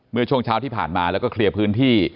เมื่อช่วงเช้าที่ผ่านมาแล้วก็เคลียร์พื้นที่